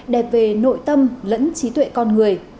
đẹp về nội tâm lẫn trí tuệ con người